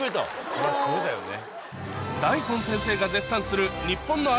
そりゃそうだよね。